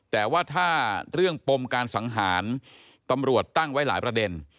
แต่ว่าถ้าเรื่องปมการสังหารตำรวจตั้งไว้หลายประเด็น